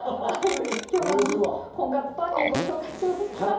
今日は婚活パーティーをご紹介しました。